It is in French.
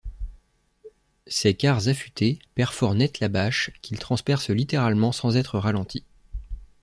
Ses carres affutées perforent net la bâche, qu'il transperce littéralement sans être ralenti.